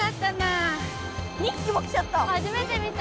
２ひきも来ちゃった。